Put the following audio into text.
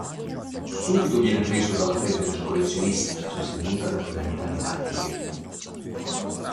Subito viene preso dalla febbre del collezionista, sostenuta da finalità didattiche.